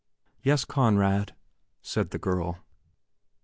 "Yes, Conrad," said the girl.